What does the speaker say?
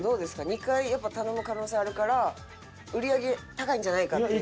２回やっぱ頼む可能性あるから売り上げ高いんじゃないかっていう。